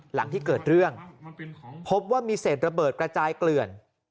หลังที่เกิดเรื่องพบว่ามีเศษระเบิดกระจายเกลื่อน